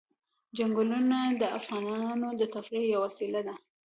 چنګلونه د افغانانو د تفریح یوه وسیله ده.